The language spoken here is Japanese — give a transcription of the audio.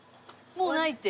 もうないって。